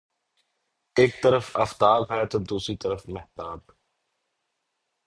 ایک طرف آفتاب ہے تو دوسری طرف مہتاب